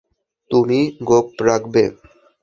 তুমি গোঁফ রাখবে!